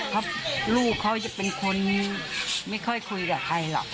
เพราะลูกเขาจะเป็นคนไม่ค่อยคุยกับใครหรอก